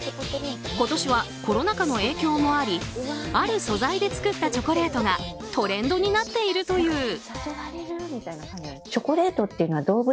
今年はコロナ禍の影響もありある素材で作ったチョコレートがトレンドになっているという。